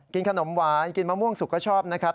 กินขนมหวานกินมะม่วงสุกก็ชอบนะครับ